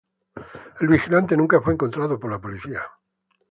El vigilante nunca fue encontrado por la policía.